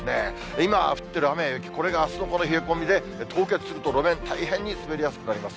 今降ってる雨や雪、これがあすのこの冷え込みで、凍結すると、路面、大変に滑りやすくなります。